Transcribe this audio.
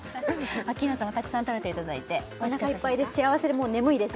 アッキーナさんもたくさん食べていただいておなかいっぱいで幸せでもう眠いです